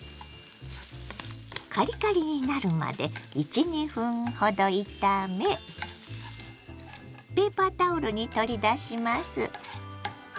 カリカリになるまで１２分ほど炒めペーパータオルに取り出します。